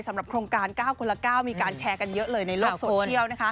โครงการ๙คนละ๙มีการแชร์กันเยอะเลยในโลกโซเชียล